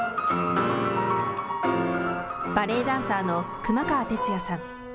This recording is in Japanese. バレエダンサーの熊川哲也さん。